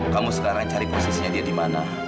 kamu sekarang cari posisinya dia di mana